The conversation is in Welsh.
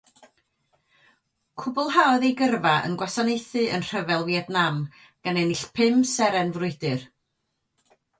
Cwblhaodd ei gyrfa yn gwasanaethu yn Rhyfel Fietnam, gan ennill pum seren frwydr.